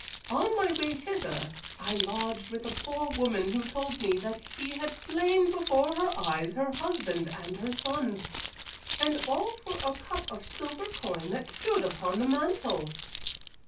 "On my way hither I lodged with a poor woman who told me that he had slain before her eyes her husband and her sons, and all for a cup of silver coin that stood upon the mantel."